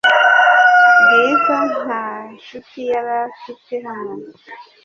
Bwiza nta nshuti yari afite hano .